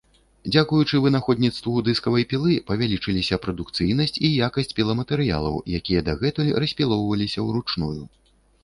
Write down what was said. Дзякуючы вынаходніцтву дыскавай пілы павялічыліся прадукцыйнасць і якасць піламатэрыялаў, якія дагэтуль распілоўваліся ўручную.